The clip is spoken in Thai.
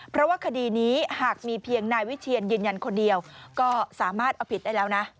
เพราะว่าคดีนี้หากมีเพียงนายวิเชียนยืนยันคนเดียวก็สามารถเอาผิดได้แล้วนะ